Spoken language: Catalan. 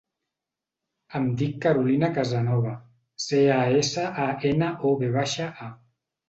Em dic Carolina Casanova: ce, a, essa, a, ena, o, ve baixa, a.